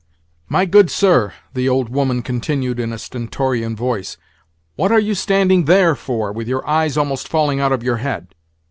"My good sir," the old woman continued in a stentorian voice, "what are you standing there for, with your eyes almost falling out of your head?